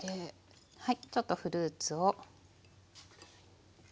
ちょっとフルーツを。